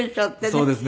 そうですね。